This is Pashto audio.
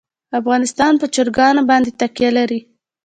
افغانستان په چرګان باندې تکیه لري.